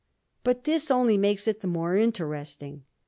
But this only makes it the more interesting.